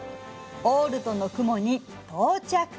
オールトの雲に到着！